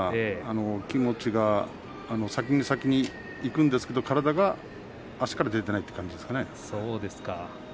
気持ちが先に先にいくんですけれど体が足から出ていないというんですかね。